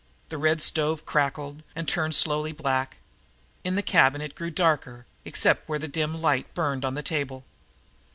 The red stove crackled, and turned slowly black. In the cabin it grew darker, except where the dim light burned on the table.